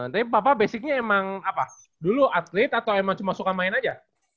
tapi papa basicnya emang apa dulu atlet atau emang cuma suka main aja